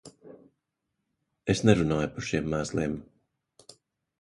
Es nerunāju par šiem mēsliem.